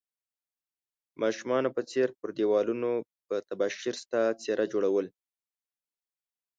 د ماشومانو په څير پر ديوالونو په تباشير ستا څيره جوړول